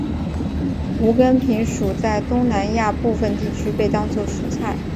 无根萍属在东南亚部份地区被当作蔬菜。